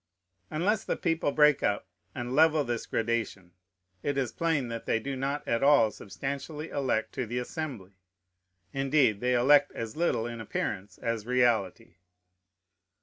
Unless the people break up and level this gradation, it is plain that they do not at all substantially elect to the Assembly; indeed, they elect as little in appearance as reality.